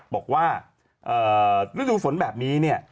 บอกว่าฤดูฝนแบบนี้เนี่ย